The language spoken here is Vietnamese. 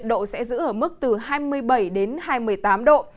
hai mươi bảy đến hai mươi tám độ